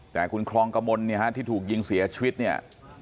แต่คุณครองกระมนเนี่ยฮะที่ถูกยิงเสียชีวิตเนี่ย